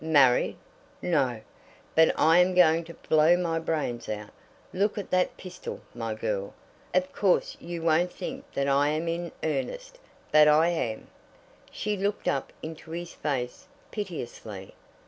"Married! No; but I am going to blow my brains out. Look at that pistol, my girl. Of course you won't think that I am in earnest, but I am." She looked up into his face piteously.